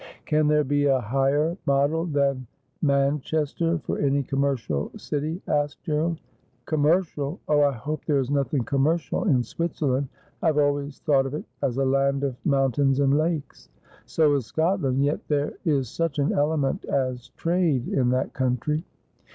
' Can there be a higher model than Manchester for any com mercial city ?' asked Gerald. ' Commercial ! Oh, I hope there is nothing commercial in Switzerland. I have always thought of it as a land of moun tains and lakes.' ' So is Scotland, yet there is such an element as trade in that country.'